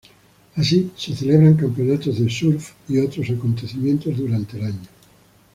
Así, se celebran campeonatos de surf y otros acontecimientos durante el año.